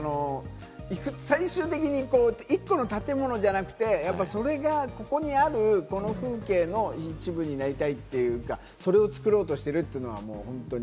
最終的に行くと、一個の建物じゃなくて、それがここにあるこの風景の一部になりたいというか、それを作ろうとしてるというのは、本当に。